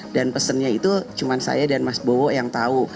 dan pesannya itu cuma saya dan mas bowo yang tahu